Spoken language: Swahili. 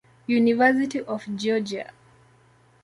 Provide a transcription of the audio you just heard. University of Georgia.